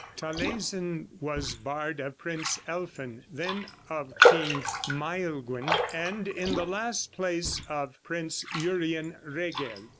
Taleisin was bard of Prince Elphin, then of King Maelgwin, and in the last place of Prince Urien Reged.